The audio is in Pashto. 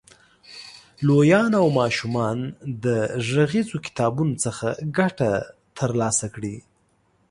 لویان او ماشومان د غږیزو کتابونو څخه ګټه تر لاسه کړي.